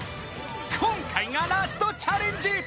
［今回がラストチャレンジ］